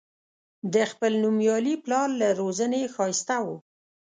د خپل نومیالي پلار له روزنې ښایسته و.